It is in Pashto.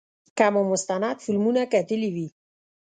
که مو مستند فلمونه کتلي وي.